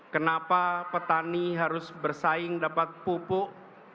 kenapa petani harus bersaing dapat pupuk